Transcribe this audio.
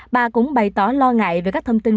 bà cũng bày tỏ lo ngại về các thông tin